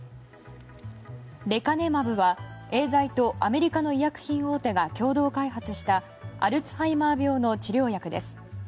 レカネマブはエーザイとアメリカの医薬品大手が共同開発したアルツハイマー病の治療薬です。